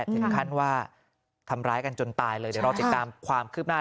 ถึงขั้นว่าทำร้ายกันจนตายเลยเดี๋ยวรอติดตามความคืบหน้า